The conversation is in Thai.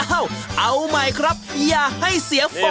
เอาเอาใหม่ครับอย่าให้เสียโฟ